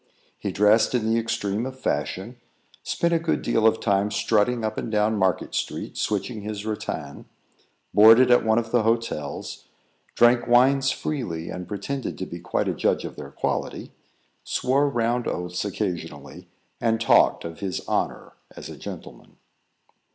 He dressed in the extreme of fashion; spent a good deal of time strutting up and down Market street, switching his rattan; boarded at one of the hotels; drank wines freely, and pretended to be quite a judge of their quality; swore round oaths occasionally, and talked of his honour as a gentleman.